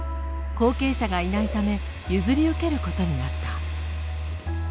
後継者がいないため譲り受けることになった。